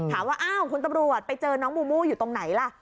ถามว่าอ้าวคุณตำรวจไปเจอน้องมูมูอยู่ตรงไหนล่ะ